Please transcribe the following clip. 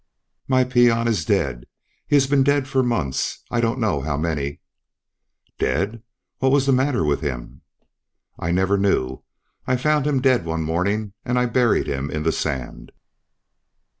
"My peon is dead. He has been dead for months, I don't know how many." "Dead! What was the matter with him?" "I never knew. I found him dead one morning and I buried him in the sand."